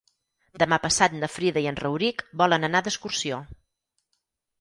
Demà passat na Frida i en Rauric volen anar d'excursió.